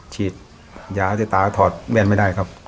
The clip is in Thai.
ฉีดยาให้ตาถอดแว่นไม่ได้ครับ